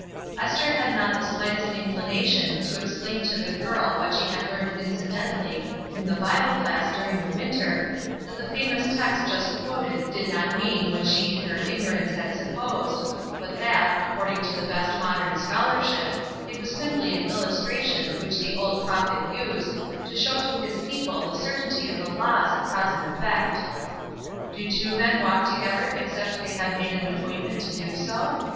Esther had not the shghtest inclination to explain to the girl what she had learned in cidentally in the Bible class during the winter that the famous text just quoted did not mean '^ Then, of coukse, i qvir," — Page 262, "WOULDN'T YOU?" 263 what she in her ignorance had supposed, but that, according to the best modern scholarship, it was simply an illustration which the old prophet used, to show to his people the cer tainty of the laws of cause and effect. "Do two men walk together except they have made an appointment to do so?"